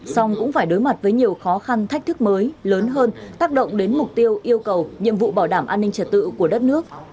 song cũng phải đối mặt với nhiều khó khăn thách thức mới lớn hơn tác động đến mục tiêu yêu cầu nhiệm vụ bảo đảm an ninh trật tự của đất nước